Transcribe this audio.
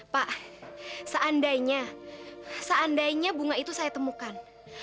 pak seandainya seandainya bunga itu saya temukan